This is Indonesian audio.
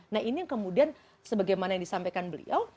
nah ini yang kemudian sebagaimana yang disampaikan beliau